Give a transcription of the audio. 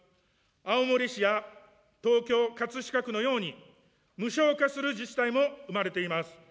青森市や東京・葛飾区のように、無償化する自治体も生まれています。